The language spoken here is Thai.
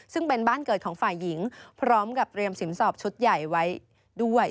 ซึ่งเป็นบ้านเกิดของฝ่ายหญิงพร้อมกับเตรียมสินสอบชุดใหญ่ไว้ด้วย